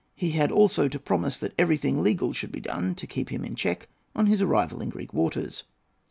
He had also to promise that everything legal should be done to keep him in check on his arrival in Greek waters.